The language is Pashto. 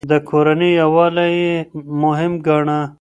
د کورنۍ يووالی يې مهم ګاڼه.